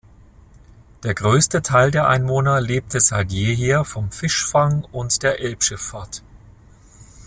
Der größte Teil der Einwohner lebte seit jeher vom Fischfang und der Elbschifffahrt.